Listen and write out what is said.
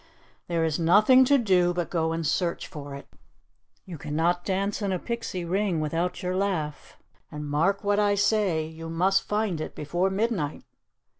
"There is nothing to do but go and search for it. You can not dance in a pixie ring without your laugh, and mark what I say, you must find it before midnight."